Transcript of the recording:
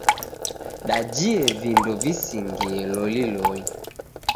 Dajie vindo visingie loliloli.